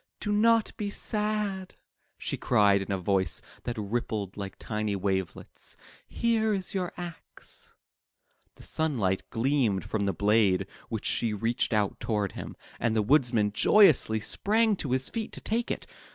"Do not be sad,'' she cried in a voice that rippled like tiny wavelets, "here is your axe." The sunlight gleamed from the blade w^hich she reached out toward him, and the Woodman joyously sprang to his feet to take it.